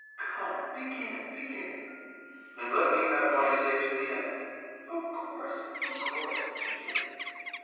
'Come, begin, begin.' 'And let me have my say to the end.' 'Of course, of course; begin.